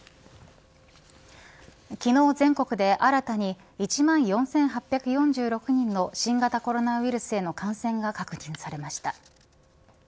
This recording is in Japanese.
昨日、全国で新たに１万４８４６人の新型コロナウイルスへの感染が確認されました。